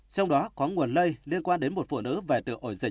trong đó có nguồn lây liên quan đến một phụ nữ về từ ổ dịch